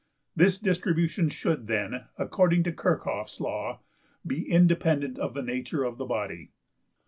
This distribution should then, according to Kirchhoff's law, be independent of the nature of the body.